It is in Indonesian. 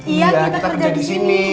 iya kita kerja di sini